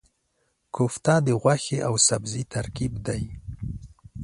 کوفته د غوښې او سبزي ترکیب دی.